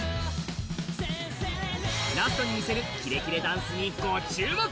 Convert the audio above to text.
ラストにみせるキレキレダンスにご注目。